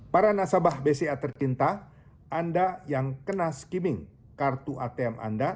para nasabah bca tercinta anda yang kena skimming kartu atm anda